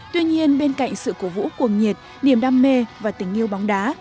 tuy nhiên bên cạnh sự cổ vũ cuồng nhiệt niềm đam mê và tình yêu bóng đá